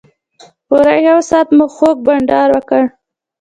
پوره یو ساعت مو خوږ بنډار وکړ.